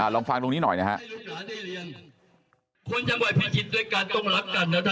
ลองฟังตรงนี้หน่อยนะฮะ